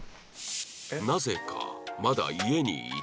なぜかまだ家にいた